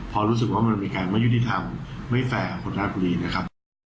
พอรู้สึกว่ามันมีการไม่ยุติธรรมไม่แฟร์กับคนราชบุรีนะครับ